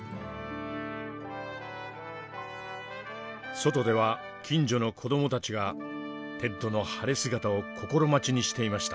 外では近所の子どもたちがテッドの晴れ姿を心待ちにしていました。